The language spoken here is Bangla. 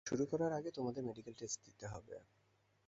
শুরু করার আগে, তোমাদের মেডিকেল টেস্ট দিতে হবে।